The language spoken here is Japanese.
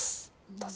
どうぞ。